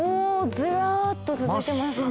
ずらっと続いてます。